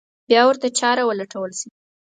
بیا ورته چاره ولټول شي.